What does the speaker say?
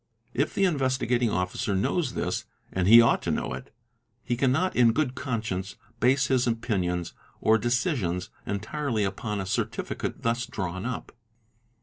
If the Investigating Officer knows this, and he ought to know it, he cannot in good conscience base his opinions or decisions entirely — upon a certificate thus drawn up.